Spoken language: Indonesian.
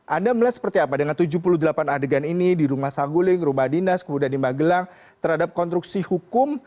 anda melihat seperti apa dengan tujuh puluh delapan adegan ini di rumah saguling rumah dinas kemudian di magelang terhadap konstruksi hukum